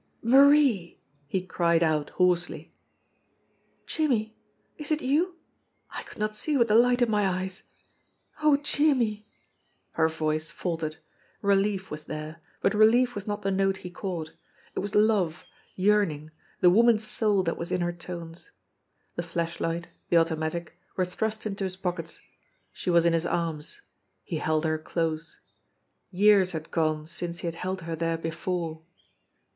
"Marie !" he cried out hoarsely. "Jimmie ! Is it you ? I could not see with the light in my eyes. Oh, Jimmie !" Her voice faltered. Relief was there, but relief was not the note he caught ; it was love, yearning, the woman's soul that was in her tones. The flashlight, the automatic, were thrust into his pockets. She was in his arms. He held her close. Years had gone since he had held her there before